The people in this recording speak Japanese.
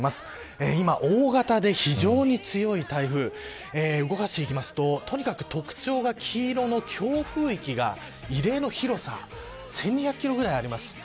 今、大型で非常に強い台風動かしていきますととにかく特徴が黄色の強風域が異例の広さ１２００キロくらいあります。